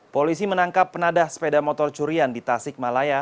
polisi menangkap penadah sepeda motor curian di tasik malaya